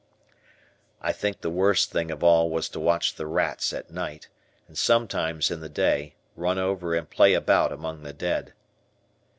I think the worst thing of all was to watch the rats, at night, and sometimes in the day, run over and play about among the dead.